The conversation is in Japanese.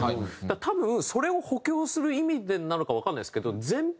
多分それを補強する意味でなのかわからないんですけど。